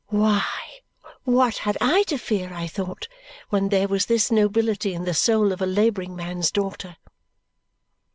Why, what had I to fear, I thought, when there was this nobility in the soul of a labouring man's daughter!